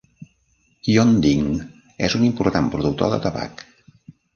Yongding és un important productor de tabac.